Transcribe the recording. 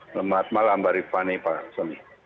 selamat malam mbak rifani pak soni